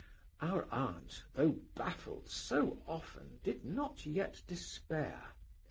Our aunt, though baffled so often, did not yet despair.